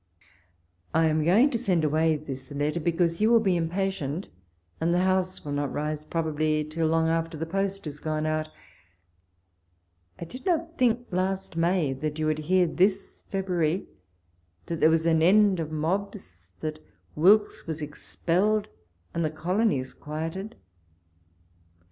I am going to send away this letter, because you will be impatient, and the House will not rise probably till long after the post is gone out. I did not think last May that you would hear this February that there Avas an end of mobs, that Wilkes was expelled, and the colonies quieted.